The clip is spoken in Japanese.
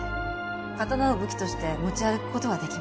刀を武器として持ち歩く事はできません。